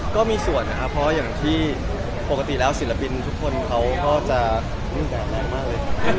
ก็มีส่วนนะครับเพราะอย่างที่ปกติแล้วศิลปินทุกคนเขาก็จะแรงมากเลย